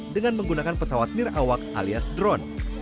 dengan menggunakan pesawat nirawak alias drone